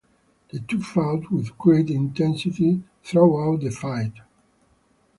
The two fought with great intensity throughout the fight.